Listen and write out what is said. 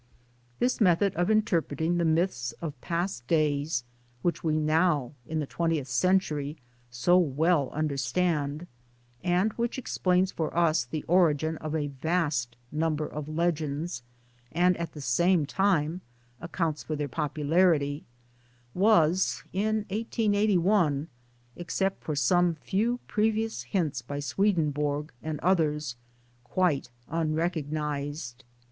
This method of interpreting the myths of pastj days, which we now in the twentieth century soi well understand, and which explains for us the origin of a vast number of legends and at the same time accounts for their popularity, was in 1881 except for some few previous hints by Swedenborg and others quite unrecognized.